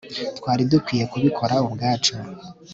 twari dukwiye kubikora ubwacu